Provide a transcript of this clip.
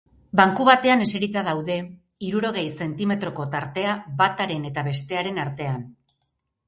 Banku batean eserita daude, hirurogei zentimetroko tartea bataren eta bestearen artean.